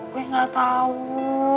gue gak tau